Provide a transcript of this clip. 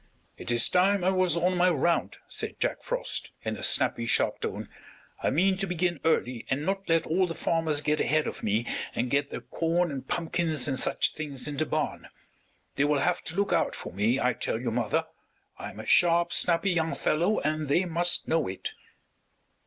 "It is time I was on my round," said Jack Frost, in a snappy, sharp tone. "I mean to begin early and not let all the farmers get ahead of me and get their corn and pumpkins and such things in the barn. "They will have to look out for me, I tell you, mother. I am a sharp, snappy young fellow, and they must know it."